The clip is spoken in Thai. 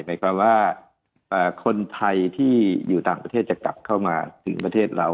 หมายความว่าคนไทยที่อยู่ต่างประเทศจะกลับเข้ามาถึงประเทศเรา